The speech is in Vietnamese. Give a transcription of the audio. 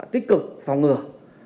tích cực phòng ngừa